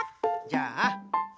じゃあ。